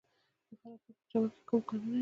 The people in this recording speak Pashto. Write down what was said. د فراه په پرچمن کې کوم کانونه دي؟